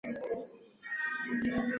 所有车站都位于北海道札幌市内。